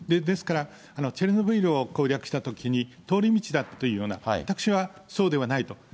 ですから、チェルノブイリを攻略したときに通り道だというような、私はそうではないと。